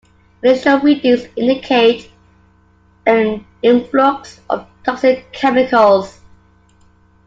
Initial readings indicate an influx of toxic chemicals.